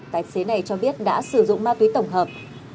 tài xế này cho biết đã sử dụng ma túy tổng hợp